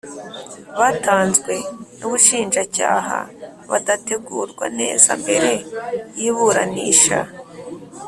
batanzwe n Ubushinjacyaha badategurwa neza mbere y iburanisha